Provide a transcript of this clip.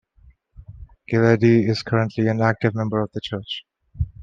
Gileadi is currently an active member of the church.